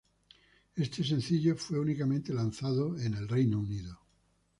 Este sencillo fue únicamente lanzado en el Reino Unido.